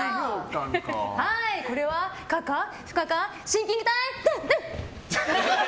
これは可か不可かシンキングタイム。